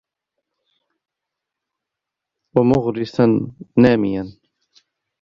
وَمُغْرِسًا نَامِيًا